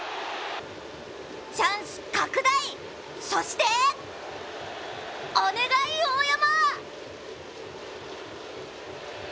チャンス拡大、そしてお願い、大山！